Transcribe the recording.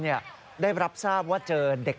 ดังนั้นคุณพ่อได้รับทั้ง๑๓ชีวิตกลับสู่อ้อมอก